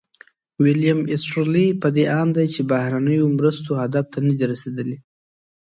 ویلیم ایسټیرلي په دې اند دی چې بهرنیو مرستو هدف ته نه دي رسیدلي.